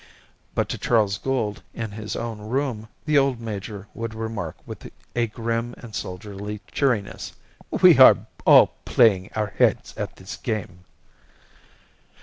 But to Charles Gould, in his own room, the old Major would remark with a grim and soldierly cheeriness, "We are all playing our heads at this game."